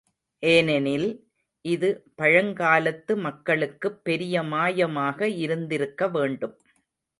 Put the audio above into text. ஏனெனில், இது பழங்காலத்து மக்களுக்குப் பெரிய மாயமாக இருந்திருக்கவேண்டும்.